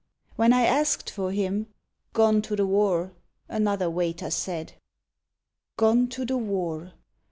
When I asked for him, "Gone to the war," another waiter said .... "Gone to the war!"